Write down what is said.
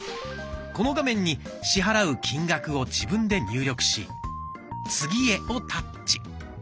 この画面に支払う金額を自分で入力し「次へ」をタッチ。